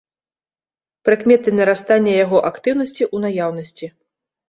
Прыкметы нарастання яго актыўнасці ў наяўнасці.